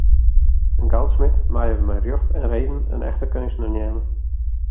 In goudsmid meie wy mei rjocht en reden in echte keunstner neame.